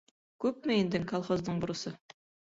Күпме инде колхоздың бурысы?